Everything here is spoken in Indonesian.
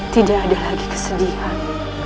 tidak ada lagi kesedihan